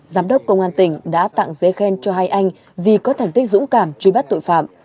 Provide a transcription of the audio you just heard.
giám đốc công an tỉnh đã tặng giấy khen cho hai anh vì có thành tích dũng cảm truy bắt tội phạm